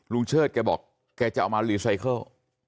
เชิดแกบอกแกจะเอามารีไซเคิล